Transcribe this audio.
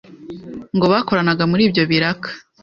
ngo bakoranaga muri ibyo biraka.